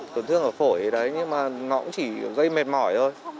tổn thương ở phổi đấy nhưng mà nó cũng chỉ gây mệt mỏi thôi